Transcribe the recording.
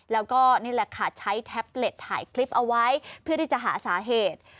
แล้วก็นี่แหละค่ะใช้แท็บเล็ตถ่ายคลิปเอาไว้เพื่อที่จะหาสาเหตุ